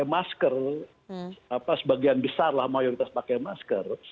masker sebagian besar lah mayoritas pakai masker